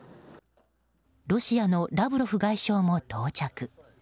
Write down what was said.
ロシアのラブロフ外相も到着。